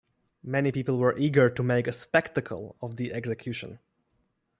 Many people were eager to make a spectacle of the execution.